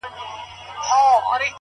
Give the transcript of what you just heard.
د وخت ضایع تاوان خاموشه دی,